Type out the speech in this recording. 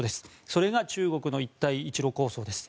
それが中国の一帯一路構想です。